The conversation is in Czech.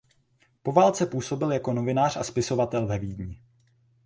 Po válce působil jako novinář a spisovatel ve Vídni.